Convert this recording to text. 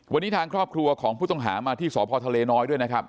วันนี้ทางครอบครัวของผู้ต้องหามาที่สพทะเลน้อยด้วยนะครับ